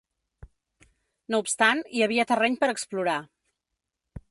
No obstant, hi havia terreny per explorar.